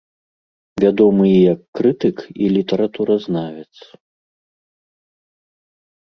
Вядомы і як крытык і літаратуразнавец.